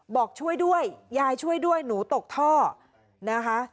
บอกช่วยด้วยยายช่วยด้วยหนูตกท่อนะคะ